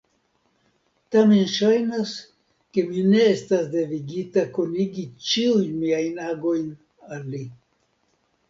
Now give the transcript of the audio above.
Tamen ŝajnas, ke mi ne estas devigata konigi ĉiujn miajn agojn al li.